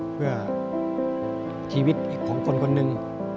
เพื่อชีวิตของคนคนหนึ่ง